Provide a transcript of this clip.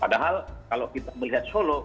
padahal kalau kita melihat solo